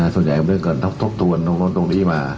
ส่วนใหญ่เรื่องการทบทวนตรงนู้นตรงนี้มา